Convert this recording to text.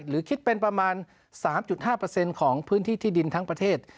หรือคิดเป็นประมาณ๓๕ของพื้นที่ที่ดินทั้งประเทศ